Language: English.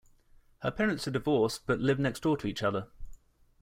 Her parents are divorced but live next door to each other.